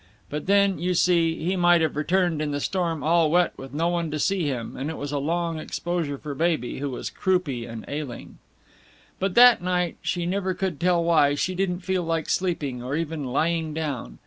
But then, you see, he might have returned in the storm, all wet, with no one to see to him; and it was a long exposure for baby, who was croupy and ailing. But that night, she never could tell why, she didn't feel like sleeping or even lying down.